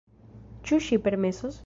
Ĉu ŝi permesos,?